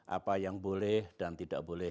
apa yang boleh dan tidak boleh